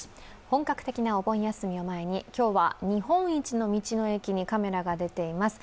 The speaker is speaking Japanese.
本格的なお盆休みを前に今日は日本一の道の駅にカメラが出ています。